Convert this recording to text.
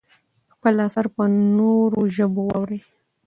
خپل اثار په نورو ژبو واړوئ.